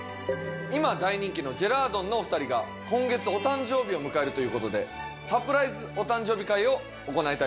今大人気のジェラードンのお二人が今月お誕生日を迎えるという事でサプライズお誕生日会を行いたいと思います。